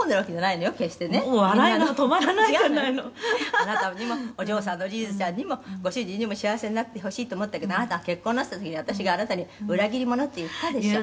「あなたにもお嬢さんのリズちゃんにもご主人にも幸せになってほしいと思ったけどあなたが結婚なすった時に私があなたに“裏切り者”って言ったでしょ？」